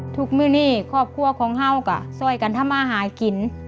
ทุกฝันคอบครัวของข้าวก็ช่วยกันถ้ามาหาว่าให้กิน